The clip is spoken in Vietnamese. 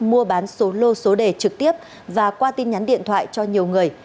mua bán số lô số đề trực tiếp và qua tin nhắn điện thoại cho nhiều người